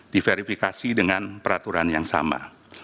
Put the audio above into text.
diverifikasi dengan peraturan yang sama